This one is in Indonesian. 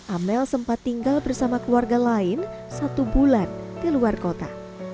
amel sempat tinggal bersama keluarga lain satu bulan di luar kota